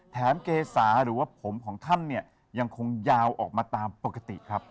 เกษาหรือว่าผมของท่านเนี่ยยังคงยาวออกมาตามปกติครับ